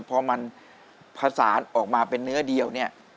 พอมันผสานออกมาเป็นเนื้อเดียวเนี่ย